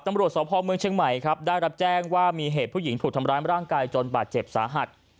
ตำรวจสพเมืองเชียงใหม่ครับได้รับแจ้งว่ามีเหตุผู้หญิงถูกทำร้ายร่างกายจนบาดเจ็บสาหัส